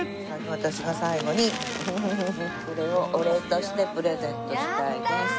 私が最後にこれをお礼としてプレゼントしたいです。